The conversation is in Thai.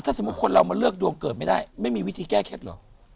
ถ้าสมมุติคนเรามาเลือกดวงเกิดไม่ได้ไม่มีวิธีแก้เคล็ดเหรอ